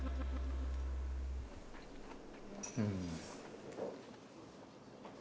うん。